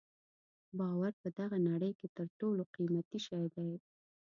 باور په دغه نړۍ کې تر ټولو قیمتي شی دی.